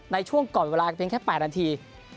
ในช่วงก่อนเวลาเพียงแค่๘นาที